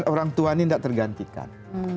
orang tua ini tidak tergantikan